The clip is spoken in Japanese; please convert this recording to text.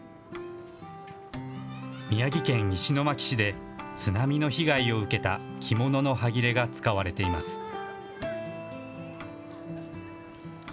宮城県石巻市で津波の被害を受けた着物のはぎれが使われています。